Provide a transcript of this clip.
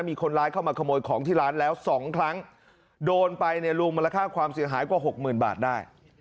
มีคนร้ายเข้ามาขโมยของที่ร้านแล้วสองครั้งโดนไปเนี่ยรวมมูลค่าความเสียหายกว่าหกหมื่นบาทได้